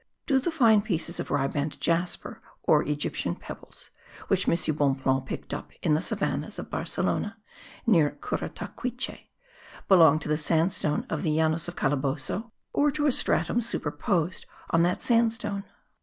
Do the fine pieces of riband jasper, or Egyptian pebbles, which M. Bonpland picked up in the savannahs of Barcelona (near Curataquiche), belong to the sandstone of the Llanos of Calabozo or to a stratum superposed on that sandstone?